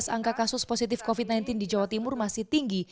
angka kasus positif covid sembilan belas di jawa timur masih tinggi